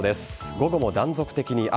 午後も断続的に雨。